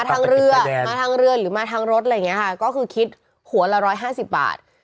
มาทางเรือมาทางเรือหรือมาทางรถอะไรอย่างเงี้ยค่ะก็คือคิดหัวละร้อยห้าสิบบาท